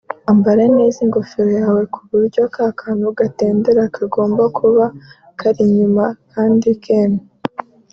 Ambara neza ingofero yawe ku buryo ka kantu gatendera (tassel) kagomba kuba kari inyuma kandi kemye